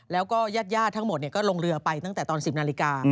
แล้วก็ญาติทั้งหมดก็ลงเรือไปตั้งแต่ตอน๑๐นาฬิกา